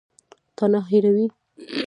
تا نه هېروي.